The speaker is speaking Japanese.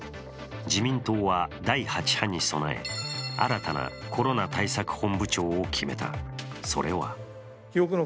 自民党は第８波に供え新たなコロナ対策本部長を決めた。